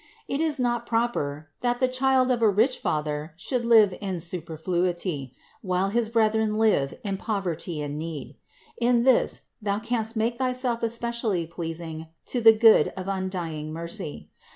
It is not proper, that the child of a rich father should live in superfluity, while his brethren live in poverty and need. In this thou canst make thyself especially pleasing to the Good of undying mercy.